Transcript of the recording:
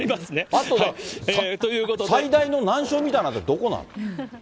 あと、最大の難所みたいなとこ、どこなの？